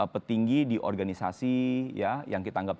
petinggi di organisasi ya yang kita mengikuti